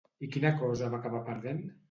I quina cosa va acabar perdent?